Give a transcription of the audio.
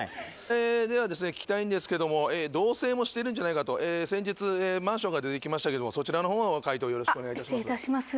えではですね聞きたいんですけども同棲もしてるんじゃないかと先日マンションから出て来ましたけどそちらのほうも回答をよろしくお願いします。